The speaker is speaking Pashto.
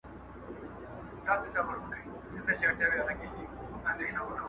ویل تم سه چي بېړۍ دي را رسیږي،